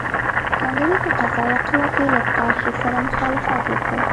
کانګریس په قضایه قوه کې له طرحې سره مخالفت وکړ.